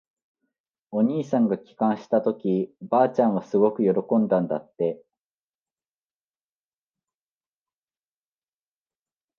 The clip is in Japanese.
お兄さんが帰還したとき、ばあちゃんはすごく喜んだんだって。